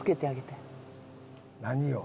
何を？